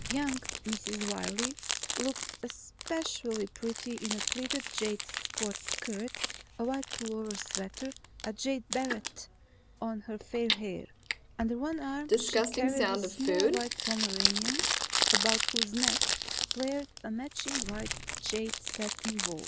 Young Mrs. Wiley looked especially pretty in a pleated jade sports skirt, a white pullover sweater, a jade beret on her fair hair. Under one arm she carried a small white Pomeranian about whose neck flared a matching wide jade satin bow.